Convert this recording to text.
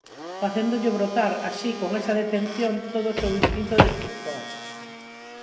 Facéndolle brotar, así, con esa detención, todo o seu instinto destructor.